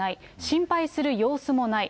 心配する様子もない。